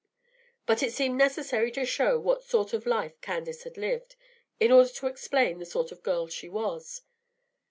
But it seemed necessary to show what sort of life Candace had lived, in order to explain the sort of girl she was.